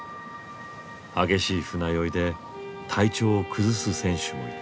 激しい船酔いで体調を崩す選手もいた。